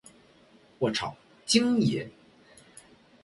我超，京爷